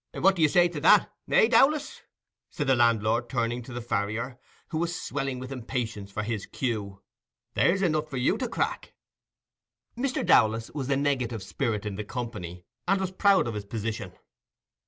"What do you say to that, eh, Dowlas?" said the landlord, turning to the farrier, who was swelling with impatience for his cue. "There's a nut for you to crack." Mr. Dowlas was the negative spirit in the company, and was proud of his position.